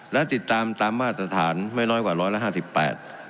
และติดตามตามมาตรฐานไม่น้อยกว่า๑๕๘